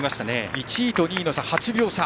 １位と２位の差が８秒差。